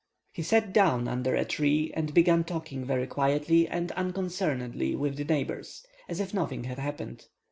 He sat down under a tree, and began talking very quietly and unconcernedly with the neighbours, as if nothing had happened.